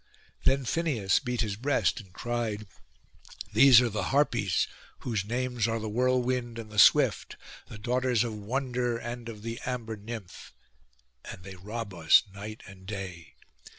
Then Phineus beat his breast and cried, 'These are the Harpies, whose names are the Whirlwind and the Swift, the daughters of Wonder and of the Amber nymph, and they rob us night and day.